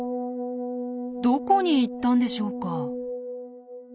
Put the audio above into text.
どこに行ったんでしょうか。